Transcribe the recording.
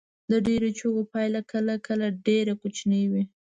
د ډیرو چیغو پایله کله کله ډیره کوچنۍ وي.